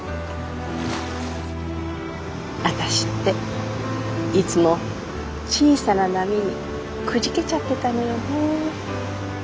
私っていつも小さな波にくじけちゃってたのよね。